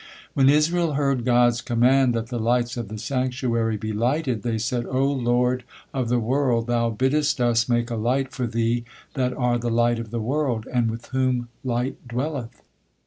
'" When Israel heard God's command that the lights of the sanctuary be lighted, they said: "O Lord of the world! Thou biddest us make a light for Thee that are the light of the world, and with whom light dwelleth."